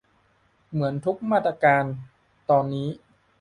เหมือนทุกมาตราการตอนนี้